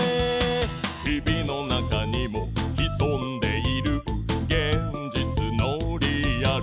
日々の中にも潜んでいる現実のリアル